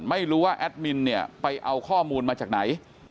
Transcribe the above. ไม่รู้ว่าแอดมินเนี่ยไปเอาข้อมูลมาจากไหน